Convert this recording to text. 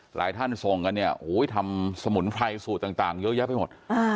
หลายท่านส่งกันเนี่ยทำสมุนไพรสูตรต่างเยอะแยะไปหมด